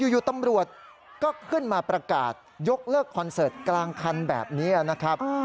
อยู่ตำรวจก็ขึ้นมาประกาศยกเลิกคอนเสิร์ตกลางคันแบบนี้นะครับ